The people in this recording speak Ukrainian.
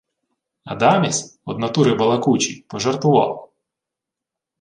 Адаміс, од натури балакучий, пожартував: